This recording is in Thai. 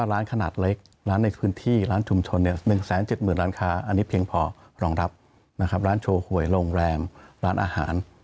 อันนี้เพียงพอรองรับนะครับร้านโชว์หวยโรงแรมร้านอาหาร